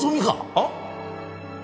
あっ？